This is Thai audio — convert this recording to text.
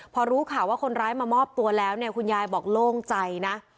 พอรู้ข่าวว่าคนร้ายมามอบตัวแล้วเนี่ยคุณยายบอกโล่งใจนะ